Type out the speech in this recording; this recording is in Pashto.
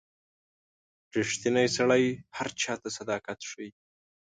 • ریښتینی سړی هر چاته صداقت ښيي.